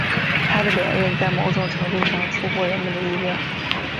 他的连任在某种程度上出乎人们的意料。